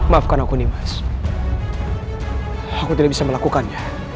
maafkan aku nih mas aku tidak bisa melakukannya